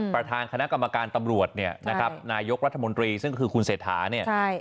ประธานคณะกรรมการตำรวจเนี่ยนะครับนายกรัฐมนตรีซึ่งก็คือคุณเศรษฐาเนี่ย